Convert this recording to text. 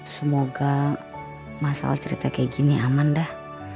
semoga masalah cerita kayak gini aman dah